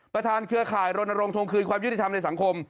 เครือข่ายรณรงค์ทวงคืนความยุติธรรมในสังคม